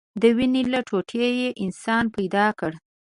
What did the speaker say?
د وينې له ټوټې يې انسان پيدا كړ.